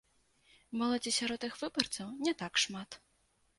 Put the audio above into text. Моладзі сярод іх выбарцаў не так шмат.